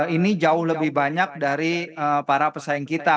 ini jauh lebih banyak dari para pesaing kita